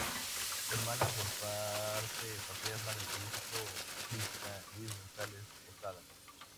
Fue hermana por parte paterna del político aprista Luis Gonzales Posada.